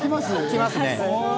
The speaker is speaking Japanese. きますね。